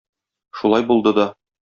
Шулай булды да.